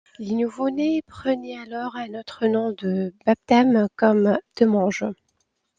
Les nouveau-nés prenaient alors un autre nom de baptême, comme Demenge.